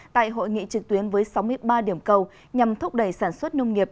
tại hội nghị trực tuyến với sáu mươi ba điểm cầu nhằm thúc đẩy sản xuất nông nghiệp